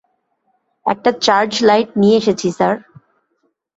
একটা charge light নিয়ে এসেছি স্যার।